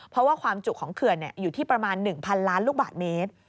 เพราะว่าความจุของเขื่อนอยู่ที่ประมาณ๑๐๐ล้านลูกบาทเมตร